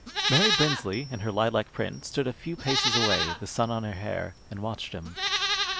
Mary Brinsley, in her lilac print, stood a few paces away, the sun on her hair, and watched him.